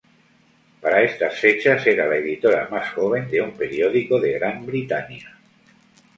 Para estas fechas era la editora más joven de un periódico de Gran Britania.